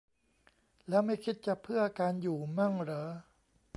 แล้วไม่คิดจะเพื่อ 'การอยู่' มั่งเหรอ ?